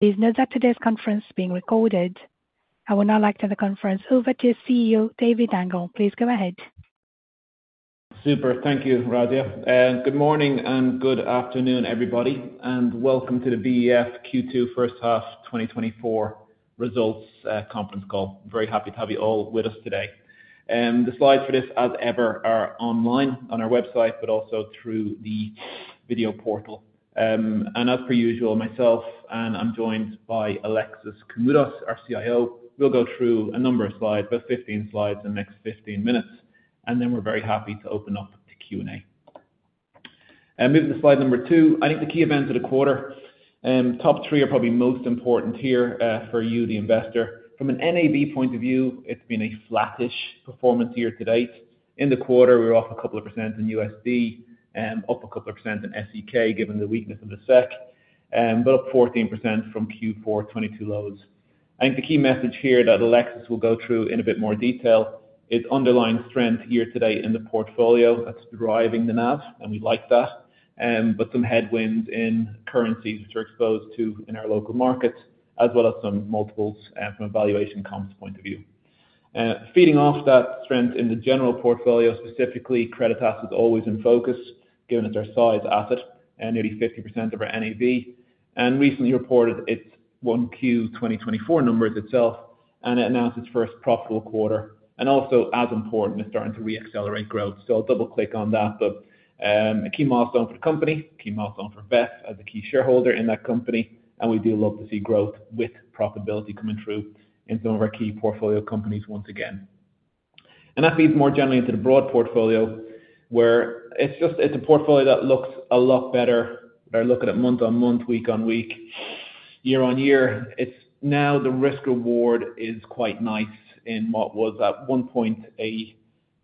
Please note that today's conference is being recorded. I would now like to hand the conference over to CEO, David Nangle. Please go ahead. Super. Thank you, Radia, and good morning and good afternoon, everybody, and welcome to the VEF Q2 first half 2024 results conference call. Very happy to have you all with us today. The slides for this, as ever, are online on our website, but also through the video portal. And as per usual, myself, and I'm joined by Alexis Koumoudos, our CIO. We'll go through a number of slides, about 15 slides in the next 15 minutes, and then we're very happy to open up to Q&A. Moving to slide number 2, I think the key events of the quarter, top 3 are probably most important here for you, the investor. From an NAV point of view, it's been a flattish performance year to date. In the quarter, we were off a couple of % in USD and up a couple of % in SEK, given the weakness of the SEK, but up 14% from Q4 2022 lows. I think the key message here that Alexis will go through in a bit more detail, is underlying strength year to date in the portfolio that's driving the NAV, and we like that. But some headwinds in currencies which are exposed to in our local markets, as well as some multiples, from a valuation comms point of view. Feeding off that strength in the general portfolio, specifically, Creditas is always in focus, given it's our size asset and nearly 50% of our NAV, and recently reported its 1Q 2024 numbers itself, and it announced its first profitable quarter. And also, as important, is starting to re-accelerate growth. So I'll double click on that. But, a key milestone for the company, key milestone for VEF as a key shareholder in that company, and we do love to see growth with profitability coming through in some of our key portfolio companies once again. And that leads more generally into the broad portfolio, where it's just—it's a portfolio that looks a lot better, or look at it month-on-month, week-on-week, year-on-year. It's now the risk reward is quite nice in what was at one point, a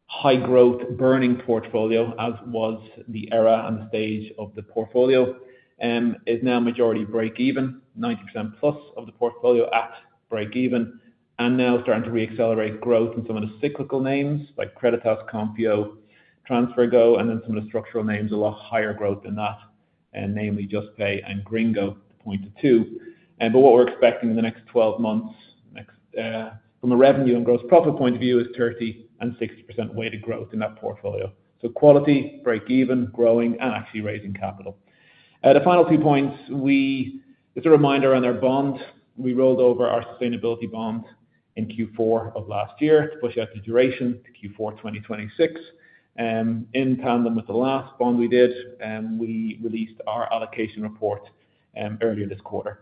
high growth burning portfolio, as was the era and stage of the portfolio, is now majority break even, 90%+ of the portfolio at break even, and now starting to re-accelerate growth in some of the cyclical names like Creditas, Konfío, TransferGo, and then some of the structural names, a lot higher growth than that, and namely, Juspay and Gringo, point to two. But what we're expecting in the next 12 months from a revenue and gross profit point of view, is 30% and 60% weighted growth in that portfolio. So quality, break even, growing, and actually raising capital. The final two points, just a reminder on our bond. We rolled over our sustainability bond in Q4 of last year to push out the duration to Q4 2026. In tandem with the last bond we did, we released our allocation report, earlier this quarter,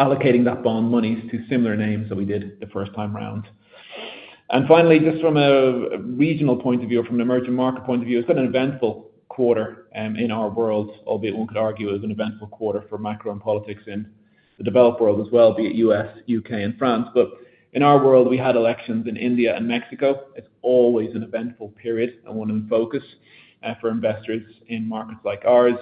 allocating that bond monies to similar names that we did the first time around. And finally, just from a regional point of view or from an emerging market point of view, it's been an eventful quarter, in our world, albeit one could argue, it was an eventful quarter for macro and politics in the developed world as well, be it U.S., U.K., and France. But in our world, we had elections in India and Mexico. It's always an eventful period and one in focus, for investors in markets like ours.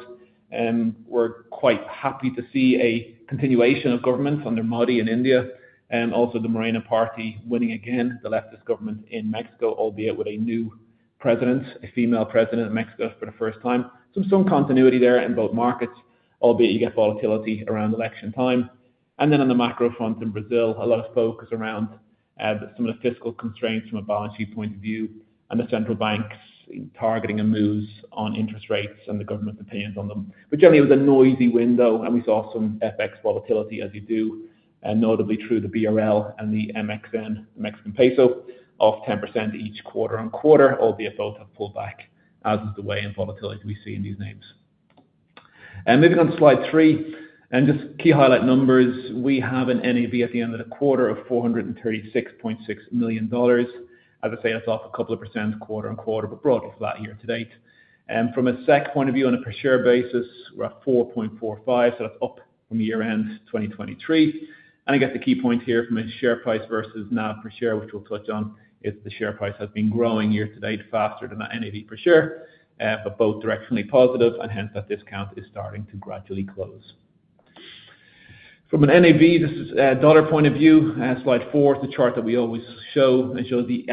We're quite happy to see a continuation of governments under Modi in India, and also the Morena Party winning again, the leftist government in Mexico, albeit with a new president, a female president in Mexico for the first time. So some continuity there in both markets, albeit you get volatility around election time. And then on the macro front, in Brazil, a lot of focus around some of the fiscal constraints from a balance sheet point of view, and the central banks targeting a move on interest rates and the government's opinions on them. But generally, it was a noisy window, and we saw some FX volatility as you do, and notably through the BRL and the MXN, Mexican peso, off 10% each quarter-on-quarter, albeit both have pulled back, as is the way in volatility we see in these names. Moving on to slide 3, and just key highlight numbers. We have an NAV at the end of the quarter of $436.6 million. As I say, it's off a couple of percent quarter-on-quarter, but broadly flat year-to-date. From a SEK point of view, on a per share basis, we're at 4.45, so that's up from year-end 2023. I guess the key point here from a share price versus NAV per share, which we'll touch on, is the share price has been growing year-to-date faster than the NAV per share, but both directionally positive, and hence that discount is starting to gradually close. From an NAV, this is a dollar point of view. Slide 4 is the chart that we always show. It shows the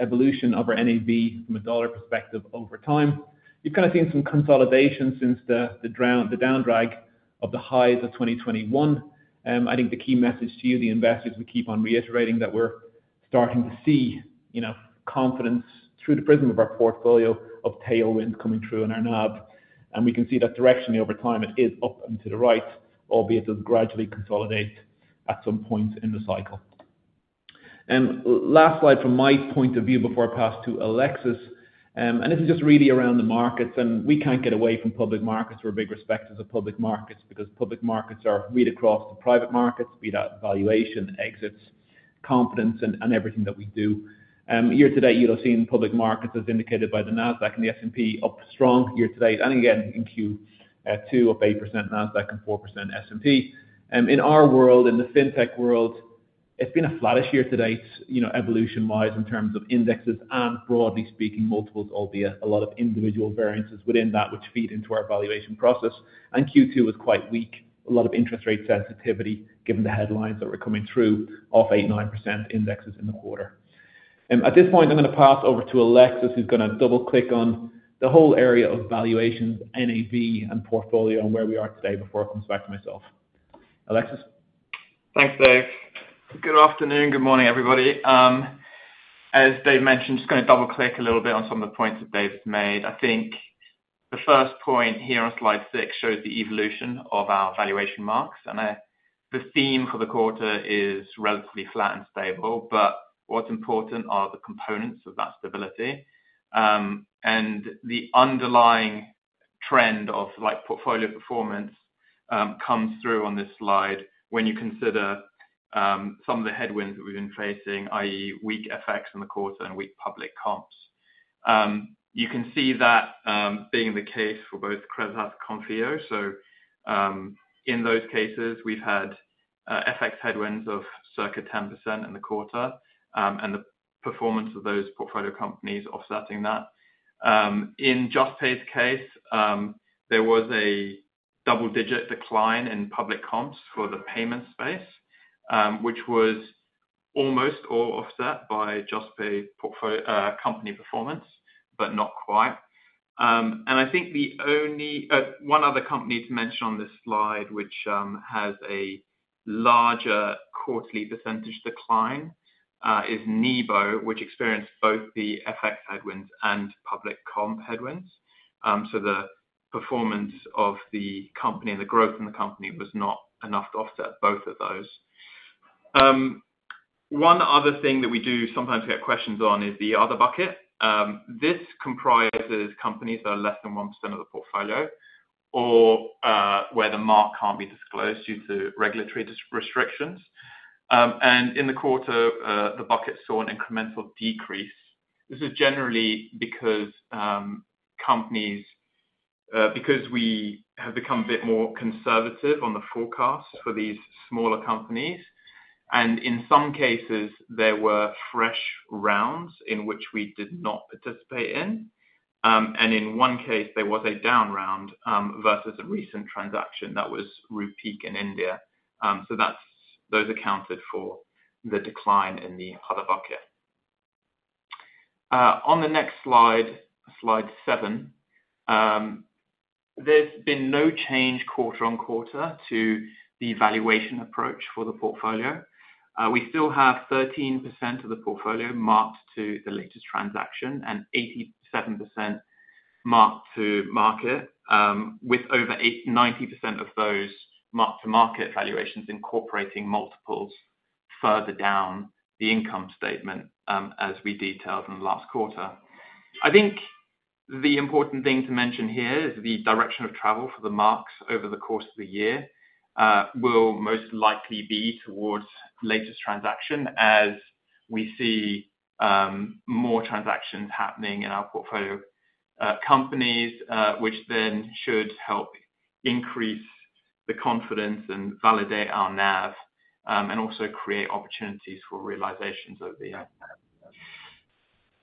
evolution of our NAV from a dollar perspective over time. You've kind of seen some consolidation since the downdrag of the highs of 2021. I think the key message to you, the investors, we keep on reiterating that we're starting to see, you know, confidence through the prism of our portfolio of tailwinds coming through in our NAV, and we can see that directionally over time, it is up and to the right, albeit it does gradually consolidate at some point in the cycle. Last slide from my point of view before I pass to Alexis. This is just really around the markets, and we can't get away from public markets. We're big respecters of public markets because public markets read across to private markets, read at valuation, exits, confidence and everything that we do. Year to date, you'll have seen public markets, as indicated by the Nasdaq and the S&P, up strong year to date, and again in Q2, up 8% Nasdaq and 4% S&P. In our world, in the Fintech world, it's been a flattish year to date, you know, evolution-wise, in terms of indexes and broadly speaking, multiples, albeit a lot of individual variances within that which feed into our valuation process. And Q2 was quite weak. A lot of interest rate sensitivity, given the headlines that were coming through, off 8%-9% indexes in the quarter. And at this point, I'm gonna pass over to Alexis, who's gonna double-click on the whole area of valuations, NAV, and portfolio, and where we are today before it comes back to myself. Alexis? Thanks, Dave. Good afternoon, good morning, everybody. As Dave mentioned, just gonna double-click a little bit on some of the points that Dave's made. I think the first point here on slide 6 shows the evolution of our valuation marks, and the theme for the quarter is relatively flat and stable. But what's important are the components of that stability. And the underlying trend of like portfolio performance comes through on this slide when you consider some of the headwinds that we've been facing, i.e., weak effects in the quarter and weak public comps. You can see that being the case for both Creditas and Konfío. So, in those cases, we've had FX headwinds of circa 10% in the quarter, and the performance of those portfolio companies offsetting that. In Juspay's case, there was a double-digit decline in public comps for the payment space, which was almost all offset by Juspay company performance, but not quite. And I think the only one other company to mention on this slide, which has a larger quarterly percentage decline, is Nibo, which experienced both the FX headwinds and public comp headwinds. So the performance of the company and the growth in the company was not enough to offset both of those. One other thing that we do sometimes get questions on is the other bucket. This comprises companies that are less than 1% of the portfolio, or where the mark can't be disclosed due to regulatory restrictions. And in the quarter, the bucket saw an incremental decrease. This is generally because companies... Because we have become a bit more conservative on the forecast for these smaller companies, and in some cases, there were fresh rounds in which we did not participate in. In one case, there was a down round versus a recent transaction that was Rupeek in India. So that's those accounted for the decline in the other bucket. On the next slide, slide 7, there's been no change quarter-on-quarter to the valuation approach for the portfolio. We still have 13% of the portfolio marked to the latest transaction and 87% marked to market, with over 80%-90% of those mark-to-market valuations incorporating multiples further down the income statement, as we detailed in the last quarter. I think the important thing to mention here is the direction of travel for the marks over the course of the year will most likely be towards latest transaction as we see more transactions happening in our portfolio companies which then should help increase the confidence and validate our NAV and also create opportunities for realizations over the year.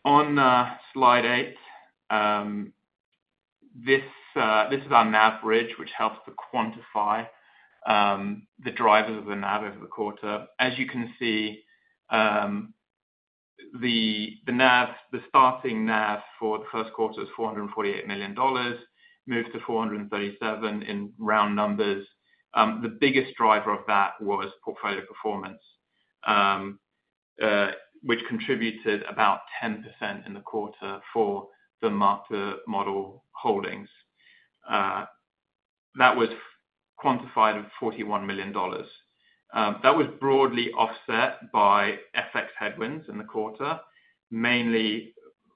On slide 8 this is our NAV bridge which helps to quantify the drivers of the NAV over the quarter. As you can see the NAV the starting NAV for the first quarter is $448 million moved to $437 million in round numbers. The biggest driver of that was portfolio performance which contributed about 10% in the quarter for the mark to model holdings. That was quantified at $41 million. That was broadly offset by FX headwinds in the quarter, mainly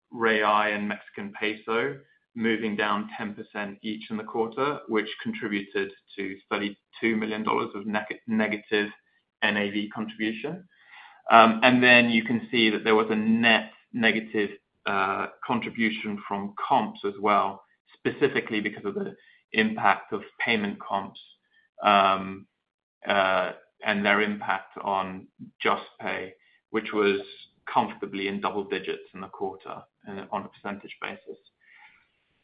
real and Mexican peso, moving down 10% each in the quarter, which contributed to $32 million of negative NAV contribution. And then you can see that there was a net negative contribution from comps as well, specifically because of the impact of payment comps, and their impact on Juspay, which was comfortably in double digits in the quarter and on a percentage basis.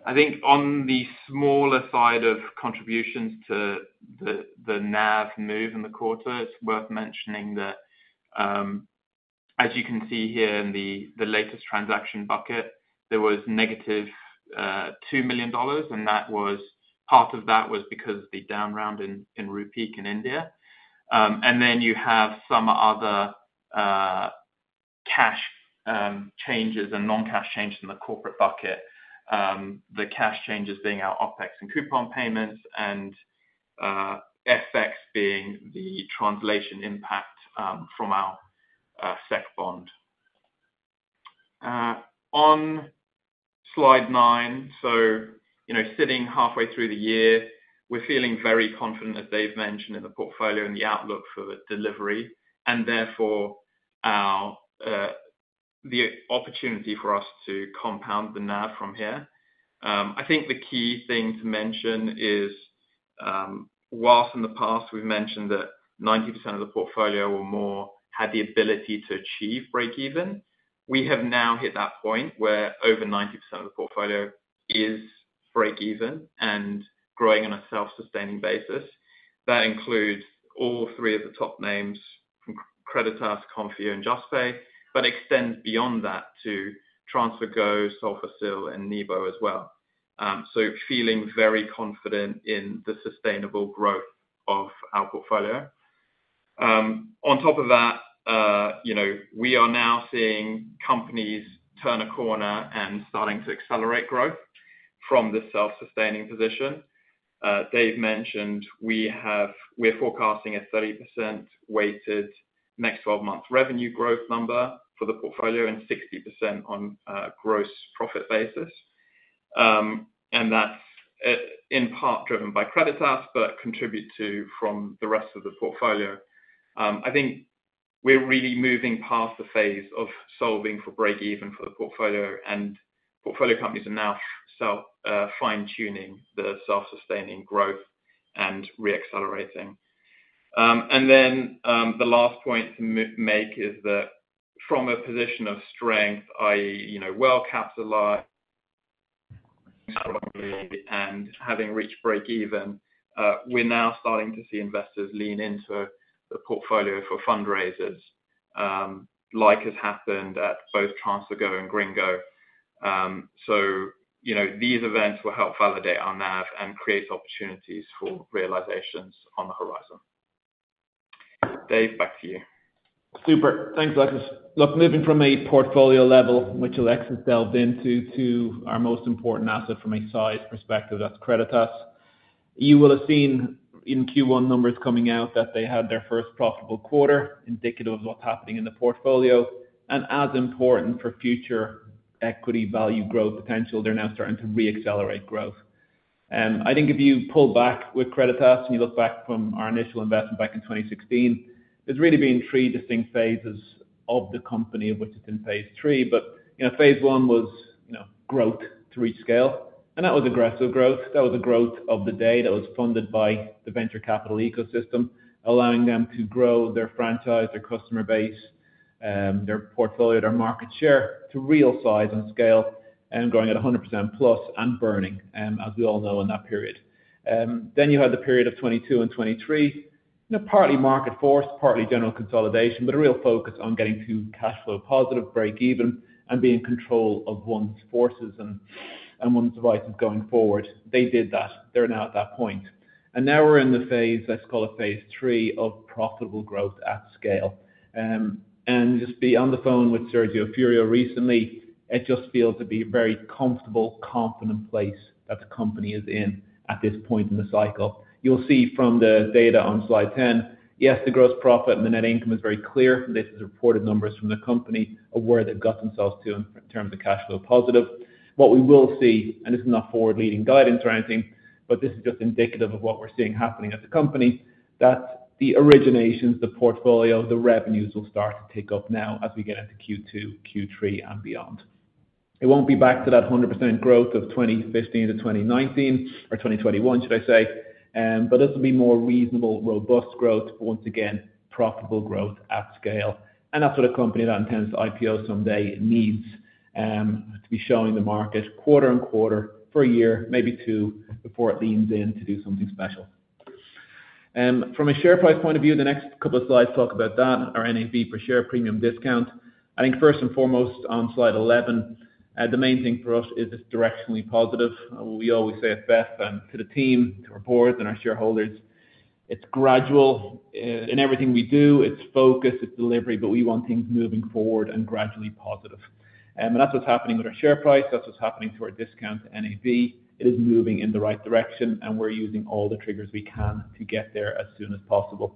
I think on the smaller side of contributions to the NAV move in the quarter, it's worth mentioning that, as you can see here in the latest transaction bucket, there was -$2 million, and that was part of that because of the down round in Rupeek in India. And then you have some other cash changes and non-cash changes in the corporate bucket. The cash changes being our OpEx and coupon payments and FX being the translation impact from our SEC bond. On slide 9, so you know, sitting halfway through the year, we're feeling very confident, as Dave mentioned, in the portfolio and the outlook for the delivery, and therefore the opportunity for us to compound the NAV from here. I think the key thing to mention is, whilst in the past we've mentioned that 90% of the portfolio or more had the ability to achieve break even, we have now hit that point where over 90% of the portfolio is break even and growing on a self-sustaining basis. That includes all three of the top names, Creditas, Konfío, and Juspay, but extends beyond that to TransferGo, Solfácil, and Nibo as well. So feeling very confident in the sustainable growth of our portfolio. On top of that, you know, we are now seeing companies turn a corner and starting to accelerate growth from this self-sustaining position. Dave mentioned, we're forecasting a 30% weighted next twelve-month revenue growth number for the portfolio, and 60% on, gross profit basis. And that's, in part driven by Creditas, but contribute to, from the rest of the portfolio. I think we're really moving past the phase of solving for break even for the portfolio, and portfolio companies are now self, fine-tuning the self-sustaining growth and re-accelerating. And then, the last point to make is that from a position of strength, i.e., you know, well capitalized, and having reached break-even, we're now starting to see investors lean into the portfolio for fundraisers, like has happened at both TransferGo and Gringo. So, you know, these events will help validate our NAV and create opportunities for realizations on the horizon. Dave, back to you. Super. Thanks, Alexis. Look, moving from a portfolio level, which Alexis delved into, to our most important asset from a size perspective, that's Creditas. You will have seen in Q1 numbers coming out, that they had their first profitable quarter, indicative of what's happening in the portfolio. And as important for future equity value growth potential, they're now starting to re-accelerate growth. I think if you pull back with Creditas, and you look back from our initial investment back in 2016, there's really been three distinct phases of the company, of which it's in phase three. But, you know, phase one was, you know, growth to reach scale, and that was aggressive growth. That was the growth of the day, that was funded by the venture capital ecosystem, allowing them to grow their franchise, their customer base, their portfolio, their market share, to real size and scale and growing at 100%+ and burning, as we all know, in that period. Then you had the period of 2022 and 2023, you know, partly market force, partly general consolidation, but a real focus on getting to cash flow positive, break even, and be in control of one's forces and, and one's devices going forward. They did that. They're now at that point. And now we're in the phase, let's call it phase three, of profitable growth at scale. And just be on the phone with Sergio Furio recently, it just feels to be a very comfortable, confident place that the company is in at this point in the cycle. You'll see from the data on slide 10, yes, the gross profit and the net income is very clear. This is reported numbers from the company of where they've got themselves to in terms of cash flow positive. What we will see, and this is not forward-looking guidance or anything, but this is just indicative of what we're seeing happening at the company, that the originations, the portfolio, the revenues will start to tick up now as we get into Q2, Q3, and beyond. It won't be back to that 100% growth of 2015-2019 or 2021, should I say, but this will be more reasonable, robust growth. Once again, profitable growth at scale. That's what a company that intends to IPO someday needs, to be showing the market quarter-on-quarter for a year, maybe two, before it leans in to do something special. From a share price point of view, the next couple of slides talk about that, our NAV per share premium discount. I think first and foremost, on slide 11, the main thing for us is it's directionally positive. We always say it best, and to the team, to our board and our shareholders, it's gradual. In everything we do, it's focus, it's delivery, but we want things moving forward and gradually positive. And that's what's happening with our share price. That's what's happening to our discount to NAV. It is moving in the right direction, and we're using all the triggers we can to get there as soon as possible.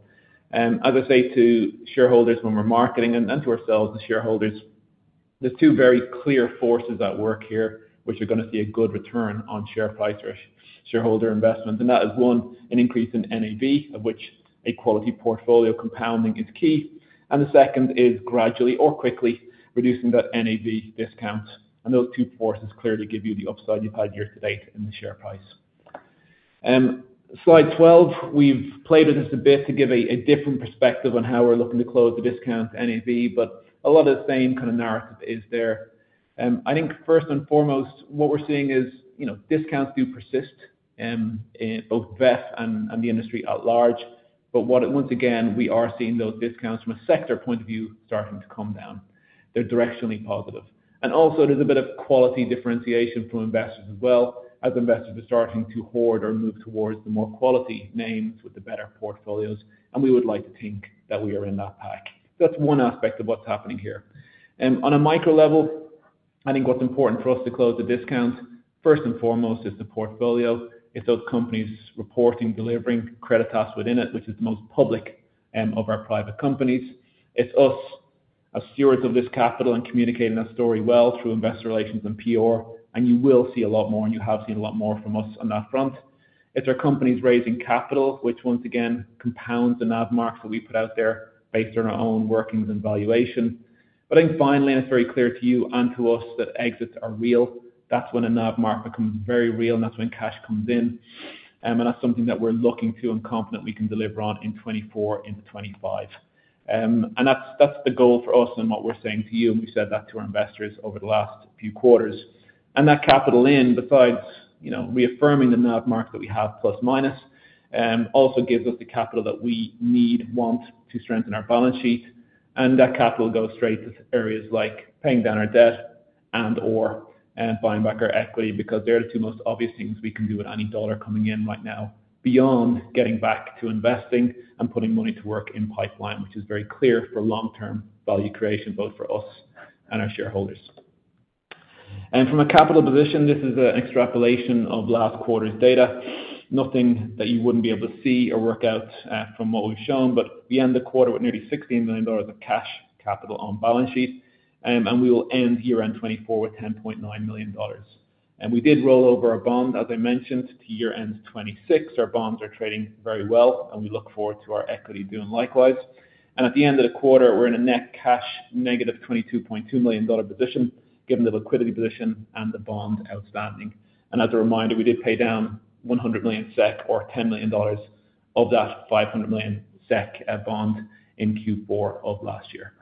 As I say to shareholders when we're marketing and, and to ourselves and shareholders, there's two very clear forces at work here, which are gonna see a good return on share price or shareholder investment. And that is one, an increase in NAV, of which a quality portfolio compounding is key, and the second is gradually or quickly reducing that NAV discount. And those two forces clearly give you the upside you've had year to date in the share price. Slide 12, we've played with this a bit to give a, a different perspective on how we're looking to close the discount to NAV, but a lot of the same kind of narrative is there. I think first and foremost, what we're seeing is, you know, discounts do persist, in both VEF and the industry at large. But once again, we are seeing those discounts from a sector point of view, starting to come down. They're directionally positive. And also, there's a bit of quality differentiation from investors as well, as investors are starting to hoard or move towards the more quality names with the better portfolios, and we would like to think that we are in that pack. That's one aspect of what's happening here. On a micro level, I think what's important for us to close the discount, first and foremost, is the portfolio. It's those companies reporting, delivering credit tasks within it, which is the most public, of our private companies. It's us, as stewards of this capital and communicating that story well through investor relations and PR, and you will see a lot more, and you have seen a lot more from us on that front. It's our companies raising capital, which once again, compounds the NAV marks that we put out there based on our own workings and valuation. But I think finally, and it's very clear to you and to us, that exits are real. That's when a NAV mark becomes very real, and that's when cash comes in. And that's something that we're looking to and confident we can deliver on in 2024 into 2025. And that's, that's the goal for us and what we're saying to you, and we've said that to our investors over the last few quarters. That capital, in besides, you know, reaffirming the NAV mark that we have plus, minus, also gives us the capital that we need, want to strengthen our balance sheet. That capital goes straight to areas like paying down our debt and or, and buying back our equity, because they're the two most obvious things we can do with any dollar coming in right now, beyond getting back to investing and putting money to work in pipeline, which is very clear for long term value creation, both for us and our shareholders. From a capital position, this is an extrapolation of last quarter's data. Nothing that you wouldn't be able to see or work out from what we've shown, but we end the quarter with nearly $16 million of cash capital on balance sheet. We will end year-end 2024 with $10.9 million. We did roll over our bond, as I mentioned, to year-end 2026. Our bonds are trading very well, and we look forward to our equity doing likewise. At the end of the quarter, we're in a net cash negative $22.2 million position, given the liquidity position and the bond outstanding. As a reminder, we did pay down 100 million SEK or $10 million of that 500 million SEK bond in Q4 of last year.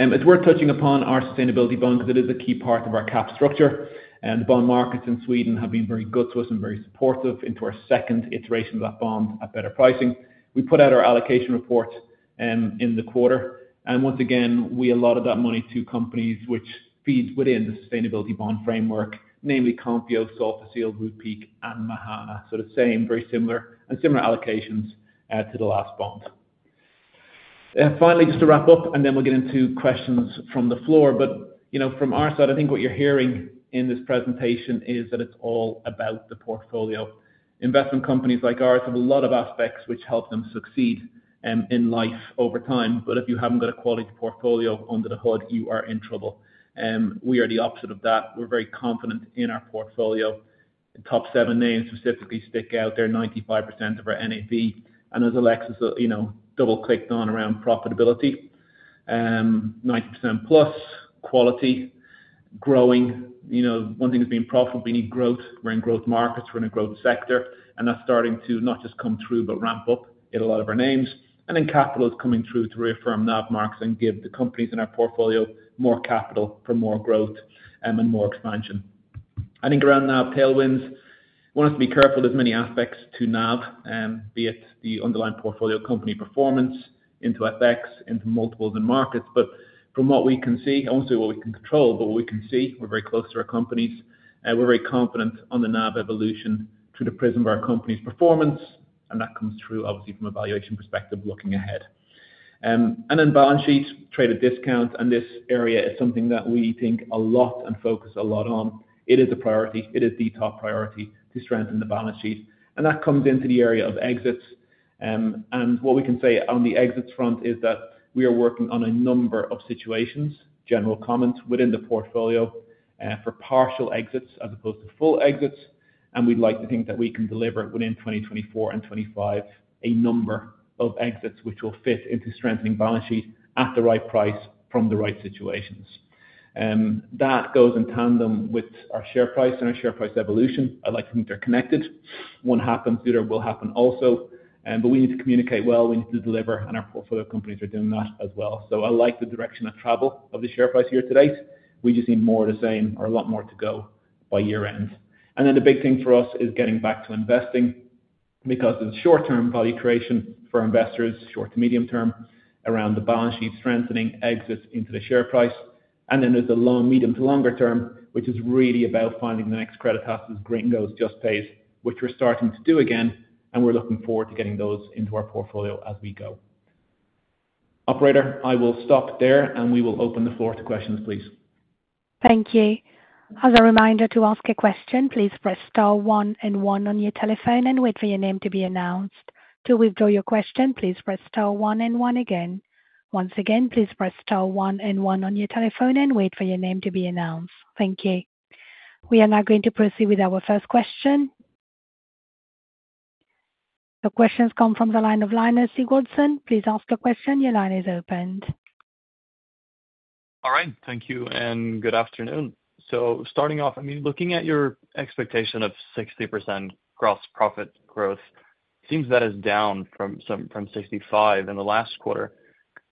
It's worth touching upon our Sustainability Bond because it is a key part of our cap structure, and the bond markets in Sweden have been very good to us and very supportive into our second iteration of that bond at better pricing. We put out our allocation report, in the quarter, and once again, we allotted that money to companies which feed within the sustainability bond framework, namely Konfío, Solfácil, Rupeek and Mahaana. So the same, very similar, and similar allocations, to the last bond. Finally, just to wrap up, and then we'll get into questions from the floor. But, you know, from our side, I think what you're hearing in this presentation is that it's all about the portfolio. Investment companies like ours have a lot of aspects which help them succeed, in life over time. But if you haven't got a quality portfolio under the hood, you are in trouble. We are the opposite of that. We're very confident in our portfolio. The top seven names specifically stick out. They're 95% of our NAV. And as Alexis, you know, double clicked on around profitability, 90%+, quality, growing. You know, one thing is being profitable, we need growth. We're in growth markets, we're in a growth sector, and that's starting to not just come through, but ramp up in a lot of our names. And then capital is coming through to reaffirm NAV marks and give the companies in our portfolio more capital for more growth, and more expansion. I think around now, tailwinds. We want us to be careful. There's many aspects to NAV, be it the underlying portfolio company performance into FX, into multiples and markets. But from what we can see, obviously, what we can control, but what we can see, we're very close to our companies. We're very confident on the NAV evolution through the prism of our company's performance, and that comes through obviously from a valuation perspective, looking ahead. And then balance sheets trade at discounts, and this area is something that we think a lot and focus a lot on. It is a priority. It is the top priority to strengthen the balance sheet, and that comes into the area of exits. And what we can say on the exits front is that we are working on a number of situations, general comments within the portfolio, for partial exits as opposed to full exits. We'd like to think that we can deliver it within 2024 and 2025, a number of exits, which will fit into strengthening balance sheets at the right price from the right situations. That goes in tandem with our share price and our share price evolution. I'd like to think they're connected. One happens, the other will happen also. But we need to communicate well, we need to deliver, and our portfolio companies are doing that as well. So I like the direction of travel of the share price year to date. We just need more of the same or a lot more to go by year end. And then the big thing for us is getting back to investing, because there's short-term value creation for our investors, short to medium term, around the balance sheet, strengthening exits into the share price. Then there's the long, medium to longer term, which is really about finding the next Creditas Gringo Juspay, which we're starting to do again, and we're looking forward to getting those into our portfolio as we go. Operator, I will stop there, and we will open the floor to questions, please. Thank you. As a reminder, to ask a question, please press star one and one on your telephone and wait for your name to be announced. To withdraw your question, please press star one and one again. Once again, please press star one and one on your telephone and wait for your name to be announced. Thank you. We are now going to proceed with our first question. The question's come from the line of Linus Sigurdson. Please ask your question. Your line is open. All right. Thank you and good afternoon. So starting off, I mean, looking at your expectation of 60% gross profit growth, seems that is down from 65 in the last quarter.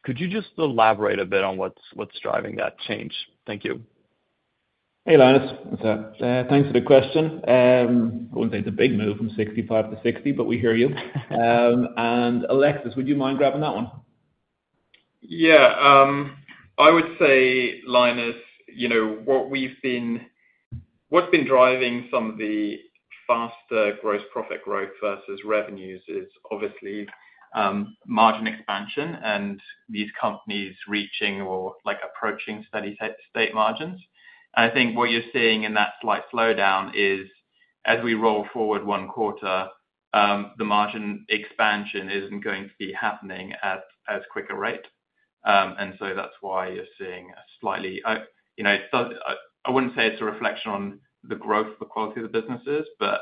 Could you just elaborate a bit on what's driving that change? Thank you. Hey, Linus. What's up? Thanks for the question. I wouldn't say it's a big move from 65 to 60, but we hear you. And Alexis, would you mind grabbing that one? Yeah, I would say, Linus, you know, what's been driving some of the faster gross profit growth versus revenues is obviously margin expansion and these companies reaching or, like, approaching steady-state margins. I think what you're seeing in that slight slowdown is as we roll forward one quarter, the margin expansion isn't going to be happening at as quicker rate. And so that's why you're seeing a slightly. I, you know, so I, I wouldn't say it's a reflection on the growth of the quality of the businesses, but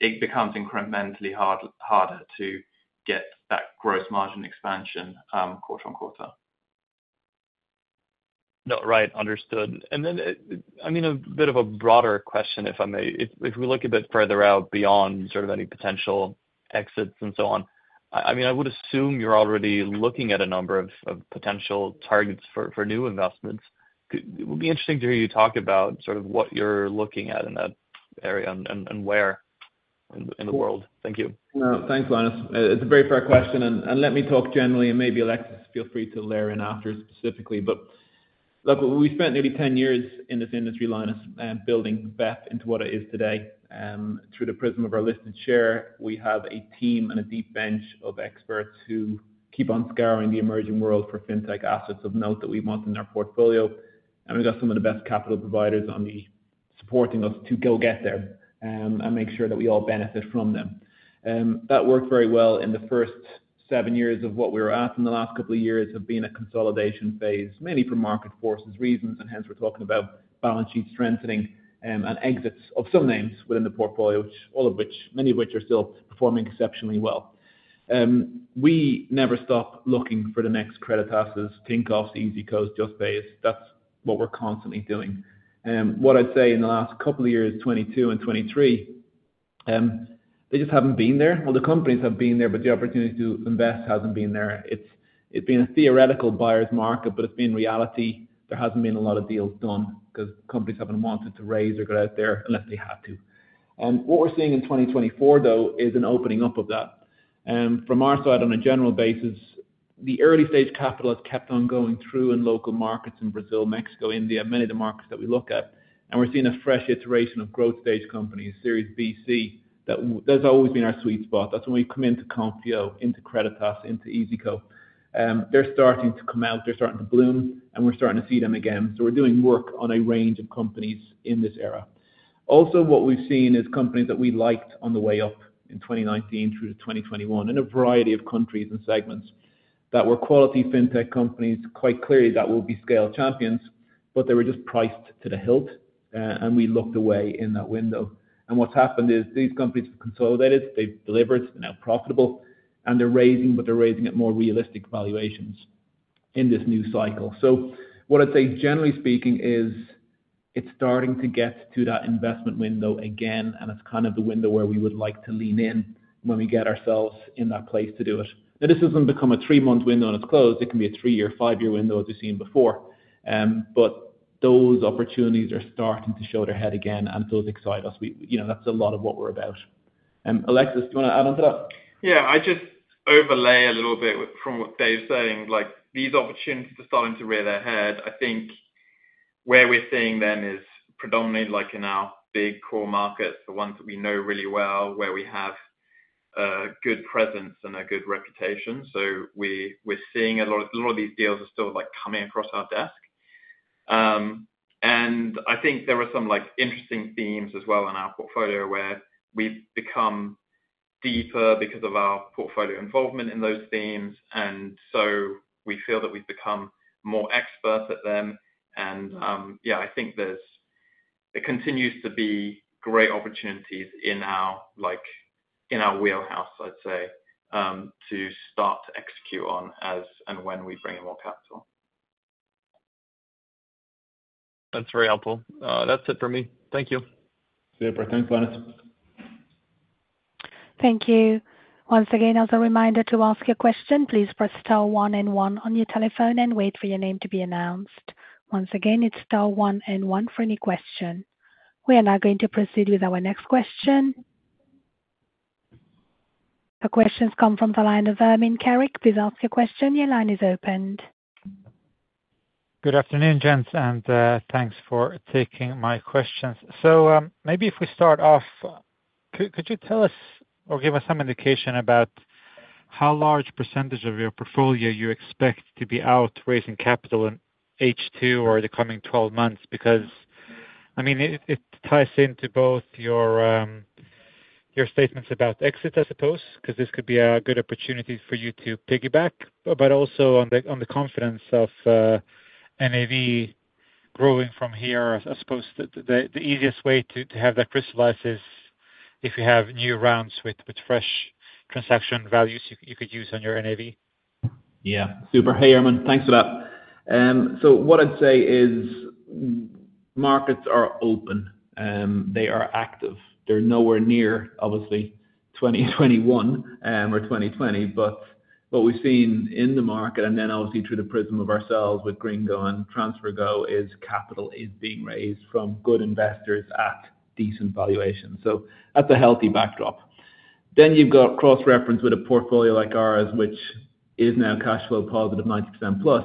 it becomes incrementally harder to get that gross margin expansion quarter on quarter.... No, right, understood. And then, I mean, a bit of a broader question, if I may. If we look a bit further out beyond sort of any potential exits and so on, I mean, I would assume you're already looking at a number of potential targets for new investments. Could-- It would be interesting to hear you talk about sort of what you're looking at in that area and where in the world. Thank you. No, thanks, Linus. It's a very fair question, and, and let me talk generally, and maybe Alexis, feel free to layer in after specifically. But look, we spent nearly 10 years in this industry, Linus, building VEF into what it is today. Through the prism of our listed share, we have a team and a deep bench of experts who keep on scouring the emerging world for Fintech assets of note that we want in our portfolio, and we've got some of the best capital providers on the supporting us to go get there, and make sure that we all benefit from them. That worked very well in the first seven years of what we were at, and the last couple of years have been a consolidation phase, mainly for market forces reasons, and hence we're talking about balance sheet strengthening, and exits of some names within the portfolio, which many of which are still performing exceptionally well. We never stop looking for the next Creditas, Tinkoffs, Easycos, Juspay. That's what we're constantly doing. What I'd say in the last couple of years, 2022 and 2023, they just haven't been there. Well, the companies have been there, but the opportunity to invest hasn't been there. It's been a theoretical buyer's market, but it's been reality. There hasn't been a lot of deals done because companies haven't wanted to raise or get out there unless they had to. What we're seeing in 2024, though, is an opening up of that. From our side, on a general basis, the early stage capital has kept on going through in local markets, in Brazil, Mexico, India, many of the markets that we look at, and we're seeing a fresh iteration of growth stage companies, Series BC. That, that's always been our sweet spot. That's when we've come into Konfío, into Creditas, into iyzico. They're starting to come out, they're starting to bloom, and we're starting to see them again. So we're doing work on a range of companies in this era. Also, what we've seen is companies that we liked on the way up in 2019 through to 2021, in a variety of countries and segments, that were quality Fintech companies, quite clearly that will be scale champions, but they were just priced to the hilt, and we looked away in that window. And what's happened is, these companies have consolidated, they've delivered, they're now profitable, and they're raising, but they're raising at more realistic valuations in this new cycle. So what I'd say, generally speaking, is it's starting to get to that investment window again, and it's kind of the window where we would like to lean in when we get ourselves in that place to do it. Now, this doesn't become a 3-month window, and it's closed. It can be a 3-year, 5-year window, as we've seen before. But those opportunities are starting to show their head again, and those excite us. You know, that's a lot of what we're about. Alexis, do you want to add on to that? Yeah, I just overlay a little bit with, from what Dave's saying, like, these opportunities are starting to rear their head. I think where we're seeing them is predominantly like in our big core markets, the ones that we know really well, where we have a good presence and a good reputation. So we, we're seeing a lot of, a lot of these deals are still, like, coming across our desk. And I think there are some, like, interesting themes as well in our portfolio, where we've become deeper because of our portfolio involvement in those themes, and so we feel that we've become more expert at them, and, yeah, I think there's... It continues to be great opportunities in our, like, in our wheelhouse, I'd say, to start to execute on as and when we bring in more capital. That's very helpful. That's it for me. Thank you. Super. Thanks, Linus. Thank you. Once again, as a reminder to ask your question, please press star one and one on your telephone and wait for your name to be announced. Once again, it's star one and one for any question. We are now going to proceed with our next question. The questions come from the line of Herman Carrick. Please ask your question. Your line is open. Good afternoon, gents, and thanks for taking my questions. So, maybe if we start off, could you tell us or give us some indication about how large percentage of your portfolio you expect to be out raising capital in H2 or the coming twelve months? Because, I mean, it ties into both your statements about exit, I suppose, because this could be a good opportunity for you to piggyback, but also on the confidence of NAV growing from here. I suppose the easiest way to have that crystallize is if you have new rounds with fresh transaction values you could use on your NAV. Yeah, super. Hey, Herman. Thanks for that. So what I'd say is markets are open, they are active. They're nowhere near, obviously, 2021 or 2020, but what we've seen in the market and then obviously through the prism of ourselves with Gringo and TransferGo, is capital is being raised from good investors at decent valuations, so that's a healthy backdrop. Then you've got cross-reference with a portfolio like ours, which is now cash flow positive, 90%+.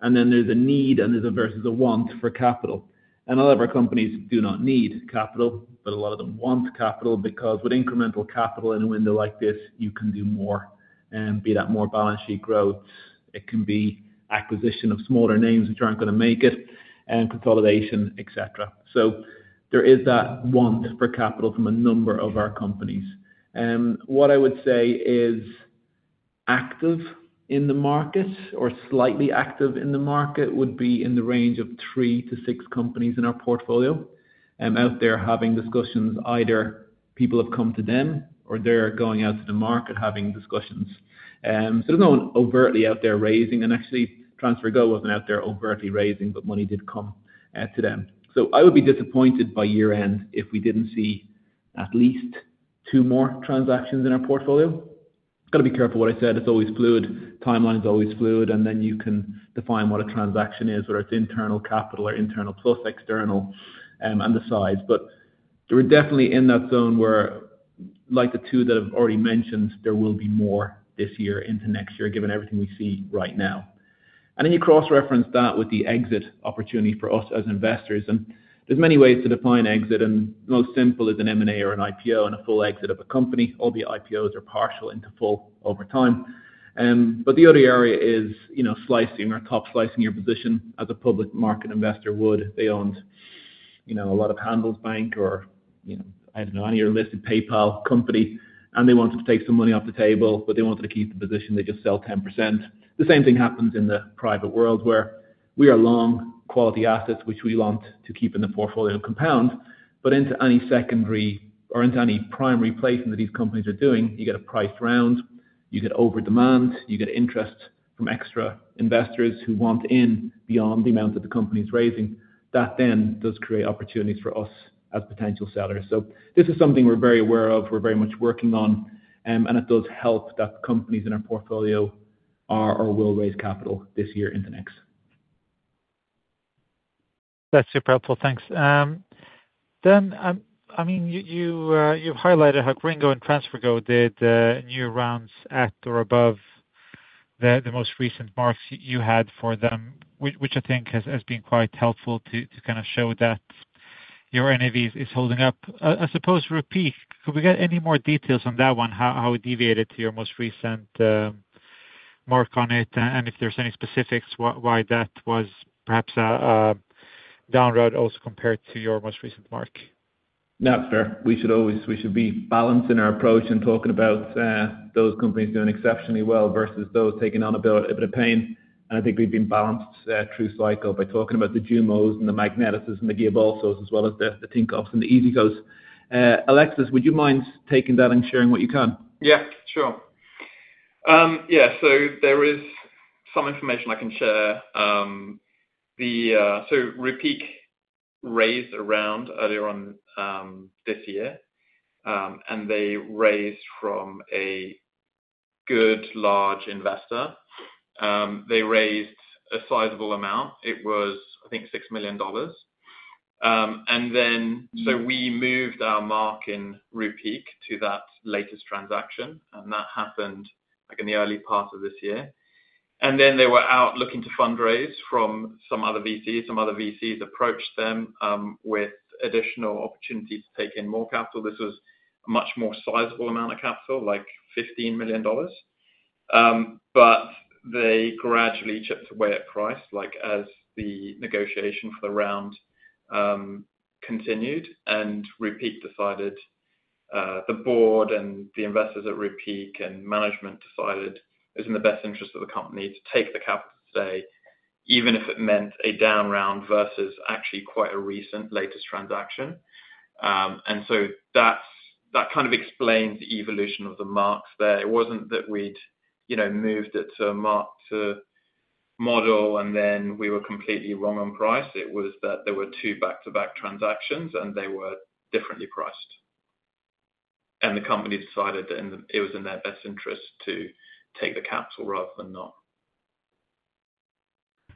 And then there's a need and there's versus a want for capital. And a lot of our companies do not need capital, but a lot of them want capital, because with incremental capital in a window like this, you can do more, be that more balance sheet growth, it can be acquisition of smaller names which aren't going to make it, and consolidation, etc. So there is that want for capital from a number of our companies. What I would say is active in the market or slightly active in the market, would be in the range of 3-6 companies in our portfolio, out there having discussions people have come to them or they're going out to the market having discussions. So there's no one overtly out there raising, and actually, TransferGo wasn't out there overtly raising, but money did come, to them. So I would be disappointed by year-end if we didn't see at least 2 more transactions in our portfolio. Gotta be careful what I said. It's always fluid, timeline's always fluid, and then you can define what a transaction is, whether it's internal capital or internal plus external, and the size. But we're definitely in that zone where, like the two that I've already mentioned, there will be more this year into next year, given everything we see right now. And then you cross-reference that with the exit opportunity for us as investors, and there's many ways to define exit, and the most simple is an M&A or an IPO and a full exit of a company, albeit IPOs are partial into full over time. But the other area is, you know, slicing or top slicing your position as a public market investor would. They owned, you know, a lot of Handelsbanken or, you know, I don't know, any listed PayPal company, and they wanted to take some money off the table, but they wanted to keep the position, they just sell 10%. The same thing happens in the private world, where we are long quality assets, which we want to keep in the portfolio compound, but into any secondary or into any primary placement that these companies are doing, you get a price round, you get overdemand, you get interest from extra investors who want in beyond the amount that the company's raising. That then does create opportunities for us as potential sellers. So this is something we're very aware of, we're very much working on, and it does help that companies in our portfolio are or will raise capital this year into next. That's super helpful. Thanks. Then, I mean, you, you, you've highlighted how Gringo and TransferGo did new rounds at or above the most recent marks you had for them, which, which I think has been quite helpful to kinda show that your NAV is holding up. I suppose Rupeek, could we get any more details on that one, how it deviated to your most recent mark on it, and if there's any specifics, why that was perhaps a down round also compared to your most recent mark? Yeah, that's fair. We should always, we should be balanced in our approach in talking about those companies doing exceptionally well versus those taking on a bit, a bit of pain. I think we've been balanced through cycle by talking about the JUMOs and the Magnetises and the Guiabolsos, as well as the, the Tinkoffs and the iyzicos. Alexis, would you mind taking that and sharing what you can? Yeah, sure. Yeah, so there is some information I can share. So Rupeek raised a round earlier on this year, and they raised from a good large investor. They raised a sizable amount. It was, I think, $6 million. And then- Mm. So we moved our mark in Rupeek to that latest transaction, and that happened, like, in the early part of this year. And then they were out looking to fundraise from some other VCs. Some other VCs approached them with additional opportunities to take in more capital. This was a much more sizable amount of capital, like $15 million. But they gradually chipped away at price, like, as the negotiation for the round continued and Rupeek decided, the board and the investors at Rupeek and management decided it's in the best interest of the company to take the capital today, even if it meant a down round versus actually quite a recent latest transaction. And so that's, that kind of explains the evolution of the marks there. It wasn't that we'd, you know, moved it to a mark to model, and then we were completely wrong on price. It was that there were two back-to-back transactions, and they were differently priced. The company decided that it was in their best interest to take the capital rather than not.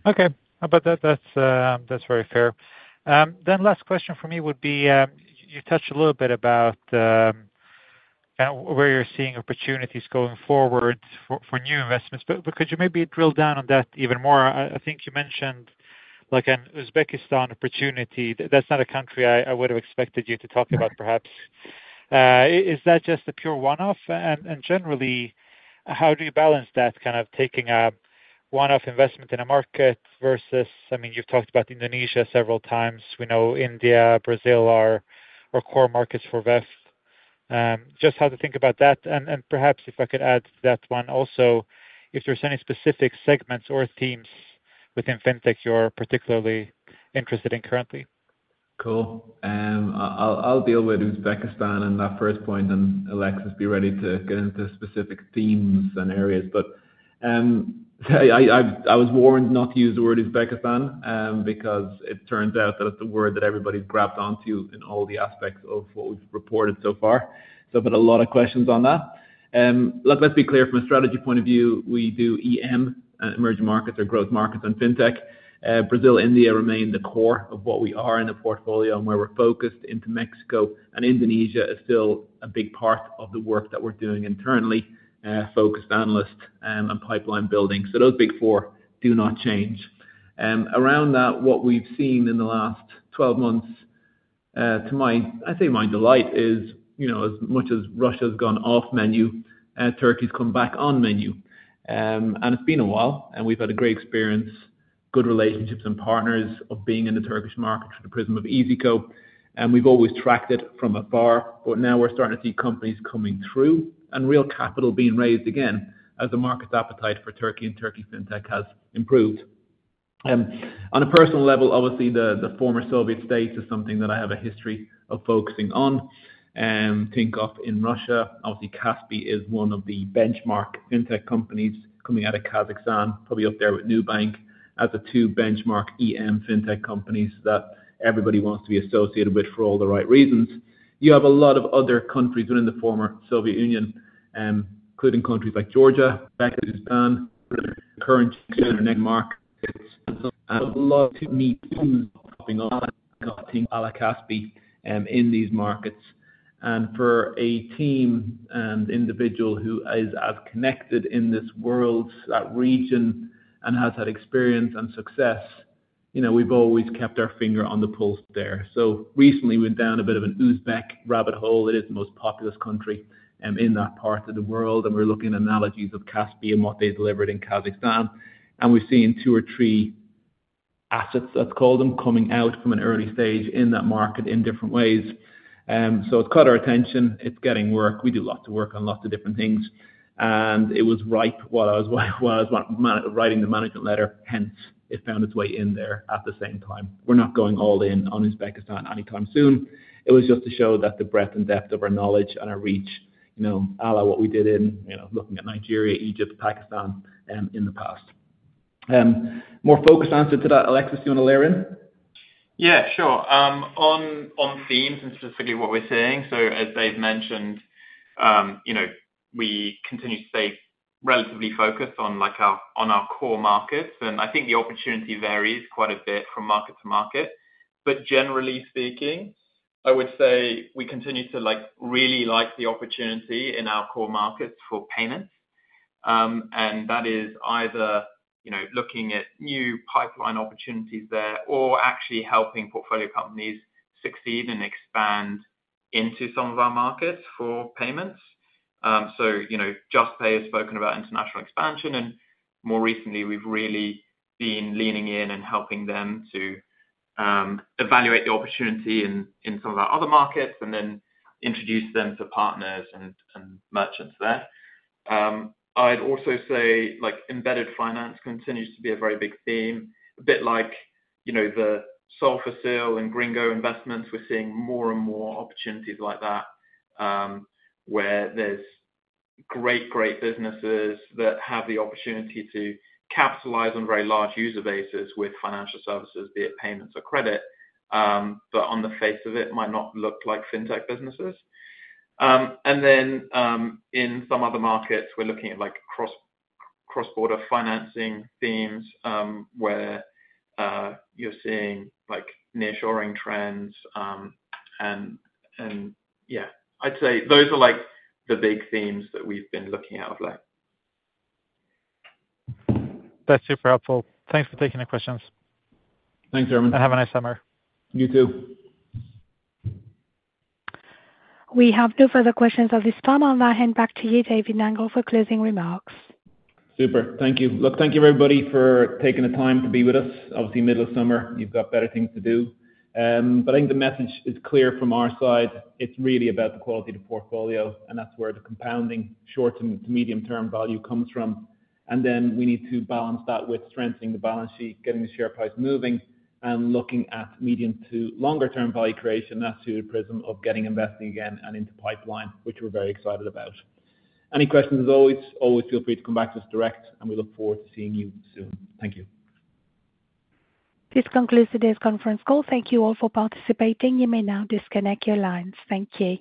Okay. How about that? That's, that's very fair. Then last question for me would be, you touched a little bit about, where you're seeing opportunities going forward for, for new investments, but, but could you maybe drill down on that even more? I think you mentioned like an Uzbekistan opportunity. That's not a country I would have expected you to talk about, perhaps. Is that just a pure one-off? And generally, how do you balance that, kind of taking a one-off investment in a market versus... I mean, you've talked about Indonesia several times. We know India, Brazil are core markets for VEF. Just how to think about that, and perhaps if I could add to that one also, if there's any specific segments or themes within Fintech you're particularly interested in currently. Cool. I'll deal with Uzbekistan and that first point, and Alexis, be ready to get into specific themes and areas. But I was warned not to use the word Uzbekistan, because it turns out that it's a word that everybody's grabbed onto in all the aspects of what we've reported so far, so I've got a lot of questions on that. Look, let's be clear, from a strategy point of view, we do EM, emerging markets or growth markets and Fintech. Brazil, India remain the core of what we are in the portfolio and where we're focused into Mexico, and Indonesia is still a big part of the work that we're doing internally, focused analysts, and pipeline building. So those big four do not change. Around that, what we've seen in the last 12 months, to my, I'd say my delight is, you know, as much as Russia's gone off menu, Turkey's come back on menu. And it's been a while, and we've had a great experience, good relationships and partners of being in the Turkish market through the prism of iyzico, and we've always tracked it from afar. But now we're starting to see companies coming through and real capital being raised again as the market's appetite for Turkey and Turkey Fintech has improved. On a personal level, obviously, the former Soviet states is something that I have a history of focusing on. Think of in Russia, obviously, Kaspi is one of the benchmark fintech companies coming out of Kazakhstan, probably up there with Nubank, as the two benchmark EM fintech companies that everybody wants to be associated with for all the right reasons. You have a lot of other countries within the former Soviet Union, including countries like Georgia, Uzbekistan, current market. I would love to meet coming up, a la Kaspi, in these markets. And for a team and individual who is as connected in this world, that region, and has had experience and success, you know, we've always kept our finger on the pulse there. So recently went down a bit of an Uzbek rabbit hole. It is the most populous country, in that part of the world, and we're looking at analogies of Kaspi and what they delivered in Kazakhstan. And we've seen two or three assets, let's call them, coming out from an early stage in that market in different ways. So it's caught our attention. It's getting work. We do lots of work on lots of different things, and it was ripe while I was writing the management letter, hence, it found its way in there at the same time. We're not going all in on Uzbekistan anytime soon. It was just to show that the breadth and depth of our knowledge and our reach, you know, a la what we did in, you know, looking at Nigeria, Egypt, Pakistan, in the past. More focused answer to that, Alexis, do you wanna layer in? Yeah, sure. On themes and specifically what we're seeing, so as Dave mentioned, you know, we continue to stay relatively focused on, like, our core markets, and I think the opportunity varies quite a bit from market to market. But generally speaking, I would say we continue to, like, really like the opportunity in our core markets for payments. And that is either, you know, looking at new pipeline opportunities there or actually helping portfolio companies succeed and expand into some of our markets for payments. So, you know, Juspay has spoken about international expansion, and more recently, we've really been leaning in and helping them to evaluate the opportunity in some of our other markets, and then introduce them to partners and merchants there. I'd also say, like, embedded finance continues to be a very big theme. A bit like, you know, the Solfácil and Gringo investments, we're seeing more and more opportunities like that, where there's great, great businesses that have the opportunity to capitalize on very large user bases with financial services, be it payments or credit, but on the face of it, might not look like fintech businesses. And then, in some other markets, we're looking at, like, cross-border financing themes, where you're seeing, like, nearshoring trends. And, yeah, I'd say those are, like, the big themes that we've been looking at of late. That's super helpful. Thanks for taking the questions. Thanks, Herman. Have a nice summer. You, too. We have no further questions at this time. I'll now hand back to you, David Nangle, for closing remarks. Super. Thank you. Look, thank you, everybody, for taking the time to be with us. Obviously, middle of summer, you've got better things to do. But I think the message is clear from our side. It's really about the quality of the portfolio, and that's where the compounding short to medium-term value comes from. And then we need to balance that with strengthening the balance sheet, getting the share price moving, and looking at medium to longer term value creation. That's through the prism of getting investing again and into pipeline, which we're very excited about. Any questions, as always, always feel free to come back to us direct, and we look forward to seeing you soon. Thank you. This concludes today's conference call. Thank you all for participating. You may now disconnect your lines. Thank you.